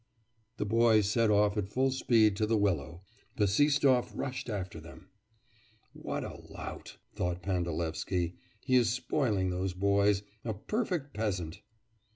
The boys set off at full speed to the willow. Bassistoff rushed after them. 'What a lout!' thought Pandalevsky, 'he is spoiling those boys. A perfect peasant!